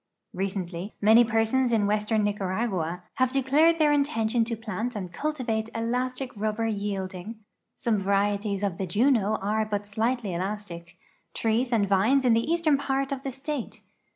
Ivecently, many persons in western Niearagua liave declared tiieir intention to plant and cultivate elastic ruhher yielding (some varieties of the j«no are but slightly elastic) trees and vines in the eastern part of the state.